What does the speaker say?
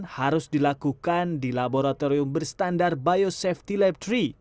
harus dilakukan di laboratorium berstandar biosafety lab tiga